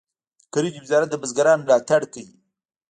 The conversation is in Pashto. د کرنې وزارت د بزګرانو ملاتړ کوي